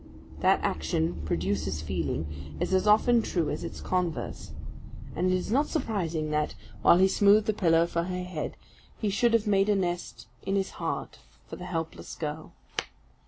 That action produces feeling is as often true as its converse; and it is not surprising that, while he smoothed the pillow for her head, he should have made a nest in his heart for the helpless girl.